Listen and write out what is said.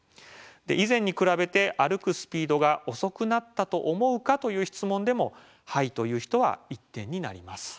「以前に比べて歩くスピードが遅くなったと思うか」という質問でも「はい」という人は１点になります。